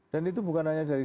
dan itu bukan hanya dari